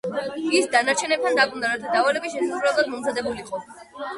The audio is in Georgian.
ის დანარჩენებთან დაბრუნდა, რათა დავალების შესასრულებლად მომზადებულიყო.